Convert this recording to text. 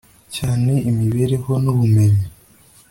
cyane imibereho n'ubumenyi